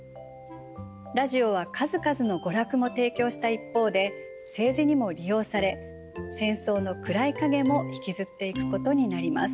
ラジオは数々の娯楽も提供した一方で政治にも利用され戦争の暗い影も引きずっていくことになります。